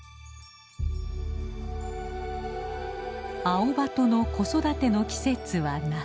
アオバトの子育ての季節は夏。